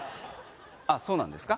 あっそうなんですか？